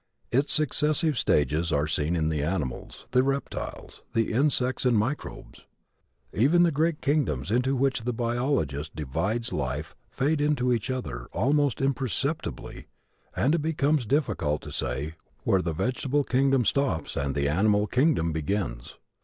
Its successive stages are seen in the animals, the reptiles, the insects and the microbes. Even the great kingdoms into which the biologist divides life fade into each other almost imperceptibly and it becomes difficult to say where the vegetable kingdom stops and the animal kingdom begins.